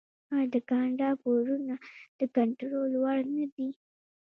آیا د کاناډا پورونه د کنټرول وړ نه دي؟